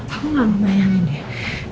aku gak mau nanyain deh